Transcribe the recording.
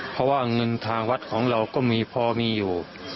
เพราะว่าเงินทางวัดของเราก็มีพอมีอยู่